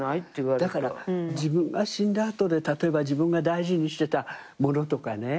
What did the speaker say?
自分が死んだ後で例えば自分が大事にしてたものとかね